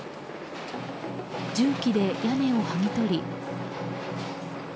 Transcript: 重機で屋根をはぎ取り。